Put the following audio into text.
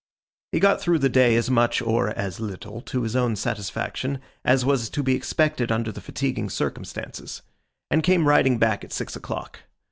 He got through the day as much (or as little) to his own satisfaction, as was to be expected under the fatiguing circumstances; and came riding back at six o'clock.